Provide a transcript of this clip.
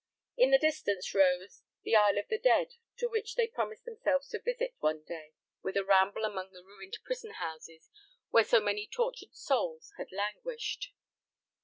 In the distance rose "The Isle of the Dead," to which they promised themselves a visit some day, with a ramble among the ruined prison houses, where so many tortured souls had languished.